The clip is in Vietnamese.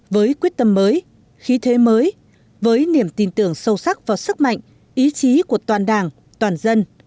với quyết tâm mới khí thế mới với niềm tin tưởng sâu sắc vào sức mạnh ý chí của toàn đảng toàn dân